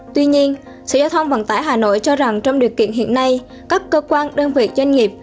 tuy nhiên sở giao thông vận tải hà nội cho rằng trong điều kiện hiện nay các cơ quan đơn vị doanh nghiệp